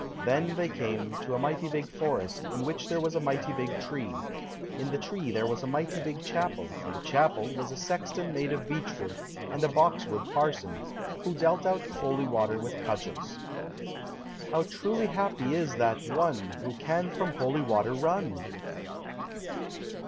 Then they came to a mighty big forest in which there was a mighty big tree; in the tree was a mighty big chapel in the chapel was a sexton made of beech wood and a box wood parson, who dealt out holy water with cudgels. "How truly happy is that one Who can from holy water run!"